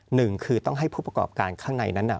หนึ่งคือต้องให้ผู้ประกอบการข้างในนั้นน่ะ